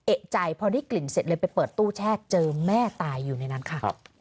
เอกใจพอได้กลิ่นเสร็จเลยไปเปิดตู้แช่เจอแม่ตายอยู่ในนั้นค่ะ